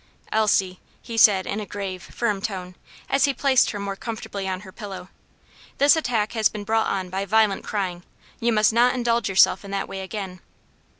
"Elsie!" he said in a grave, firm tone, as he placed her more comfortably on her pillow, "this attack has been brought on by violent crying; you must not indulge yourself in that way again."